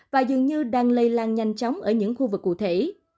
và dường như đang lây lan nhanh chóng ở những khu vực cụ thể